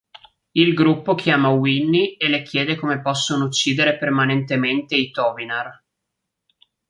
Il gruppo chiama Winnie e le chiede come possono uccidere permanentemente i tovinar.